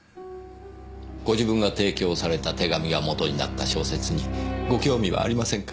ご自分が提供された手紙が元になった小説にご興味はありませんか？